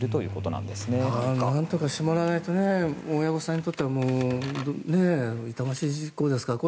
なんとかしてもらわないと親御さんにとっても痛ましい事故ですからね。